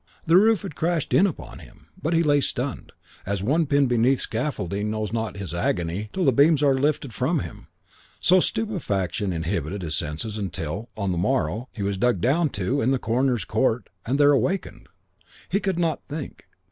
The roof had crashed in upon him; but he lay stunned. As one pinned beneath scaffolding knows not his agony till the beams are being lifted from him, so stupefaction inhibited his senses until, on the morrow, he was dug down to in the coroner's court and there awakened. He could not think.